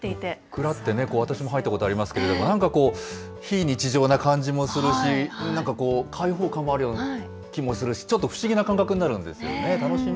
蔵ってね、私も入ったことありますけれども、なんかこう、非日常な感じもするし、なんかこう、開放感もあるような気もするし、ちょっと不思議な感覚になるんですよね。